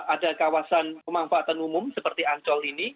ada kawasan pemanfaatan umum seperti ancol ini